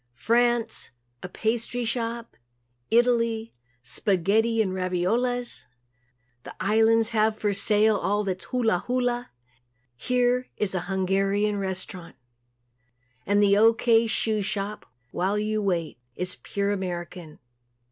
France a pastry shop. Italy spaghetti and raviolas. The Islands have for sale all that's hula hula. Here is a Hungarian restaurant. And the "O. K. Shoe Shop While U Wait" is pure American.